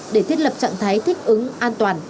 để thiết lập trạng thái thích ứng an toàn